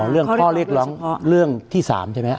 เรื่องข้อเรียกร้องเรื่องที่๓ใช่ไหม